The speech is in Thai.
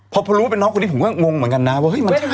เพราะพอรู้ว่าน้องขนี้ผมก็งงเหมือนกันนะว่าเห้ยมันใช่เหรอ